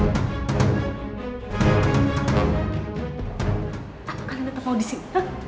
apa kalian tetap mau disini